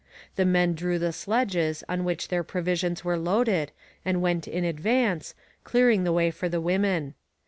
The men drew the sledges on which their provisions were loaded and went in advance, clearing the way for the women.